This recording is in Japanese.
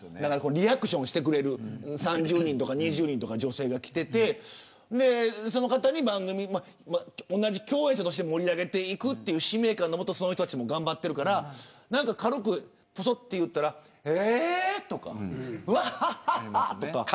リアクションしてくれる３０人とか２０人の女性が来てて同じ共演者として盛り上げていく使命感の下その人たちも頑張っているから軽くぽそっと言ったらえーっ、とか、わははっ、とか。